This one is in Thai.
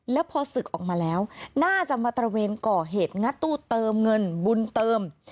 แล้วพอศึกออกมาแล้วน่าจะมาตระเวนก่อเหตุงัดตู้เติมเงินบุญเติม